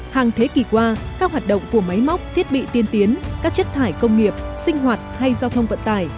hàng thế kỷ qua các hoạt động của máy móc thiết bị tiên tiến các chất thải công nghiệp sinh hoạt hay giao thông vận tải